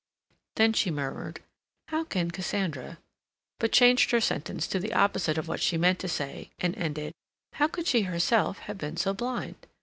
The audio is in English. Then she murmured, "How can Cassandra—" but changed her sentence to the opposite of what she meant to say and ended, "how could she herself have been so blind?"